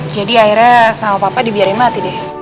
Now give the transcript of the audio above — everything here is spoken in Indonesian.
jadi akhirnya sama papa dibiarin mati deh